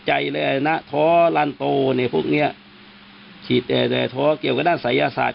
ใจเลยนะท้อลันโตเนี่ยพวกเนี้ยท้อเกี่ยวกับด้านศัยศาสตร์